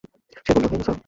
সে বলল, হে মূসা!